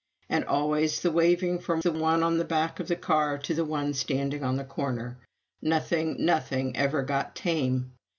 And always the waving from the one on the back of the car to the one standing on the corner. Nothing, nothing, ever got tame.